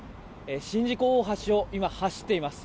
宍道湖大橋を今、走っています。